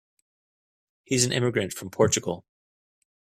He's an immigrant from Portugal.